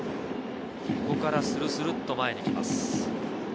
ここからスルスルっと前に来ます。